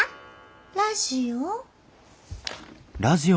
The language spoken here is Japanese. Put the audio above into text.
ラジオ？